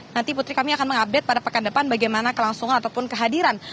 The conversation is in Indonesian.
nanti putri kami akan mengupdate pada pekan depan bagaimana kelangsungan ataupun kehadiran